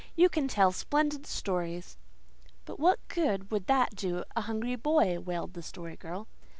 "You can tell splendid stories." "But what good would that do a hungry boy?" wailed the Story Girl.